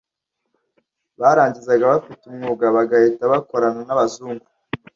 Barangizaga bafite umwuga bagahita bakorana n'Abazungu.